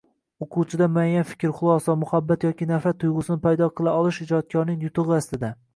Oʻquvchida muayyan fikr, xulosa, muhabbat yoki nafrat tuygʻusini paydo qila olish ijodkorning yutugʻi, aslida